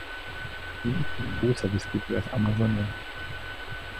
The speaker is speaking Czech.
Nejvíce druhů se vyskytuje v Amazonii.